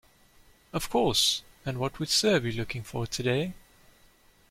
Of course, and what would sir be looking for today?